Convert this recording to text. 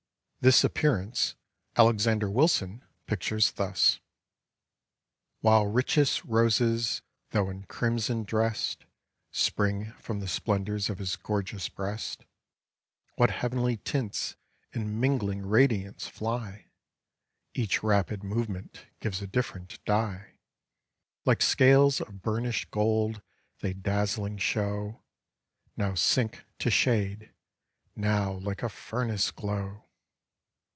This appearance Alexander Wilson pictures thus: "While richest roses though in crimson drest, Spring from the splendors of his gorgeous breast. What heavenly tints in mingling radiance fly! Each rapid movement gives a different dye; Like scales of burnished gold they dazzling show, Now sink to shade, now like a furnace glow!"